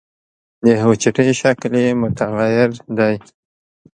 د حجرې شکل یې متغیر دی.